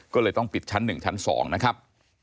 ก็เลยต้องปิดชั้น๑ชั้น๒นะครับ